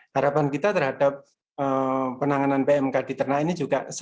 harapan kita terhadap penanganan pmk di ternak ini juga